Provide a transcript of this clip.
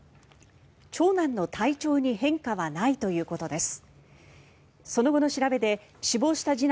長男の体調に変化はないということです。